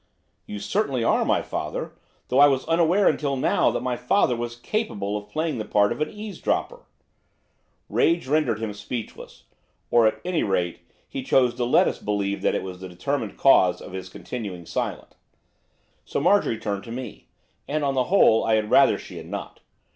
'You certainly are my father; though I was unaware until now that my father was capable of playing the part of eavesdropper.' Rage rendered him speechless, or, at any rate, he chose to let us believe that that was the determining cause of his continuing silent. So Marjorie turned to me, and, on the whole, I had rather she had not.